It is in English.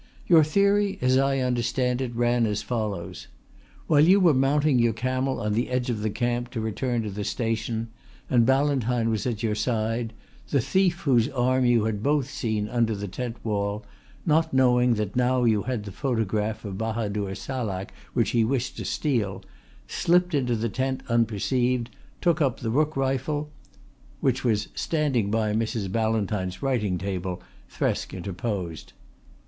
Your theory as I understand it ran as follows: While you were mounting your camel on the edge of the camp to return to the station and Ballantyne was at your side, the thief whose arm you had both seen under the tent wall, not knowing that now you had the photograph of Bahadur Salak which he wished to steal, slipped into the tent unperceived, took up the rook rifle " "Which was standing by Mrs. Ballantyne's writing table," Thresk interposed.